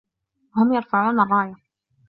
هم يرفعون الرّاية.